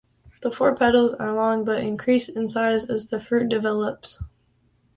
The four petals are long but increase in size as the fruit develops.